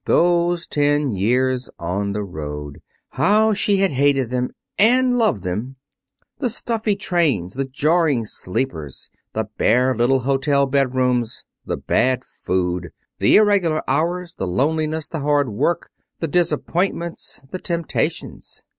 Those ten years on the road! How she had hated them and loved them. The stuffy trains, the jarring sleepers, the bare little hotel bedrooms, the bad food, the irregular hours, the loneliness, the hard work, the disappointments, the temptations.